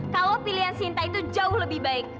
kalau pilihan sinta itu jauh lebih baik